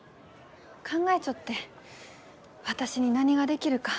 考えちょって私に何ができるか。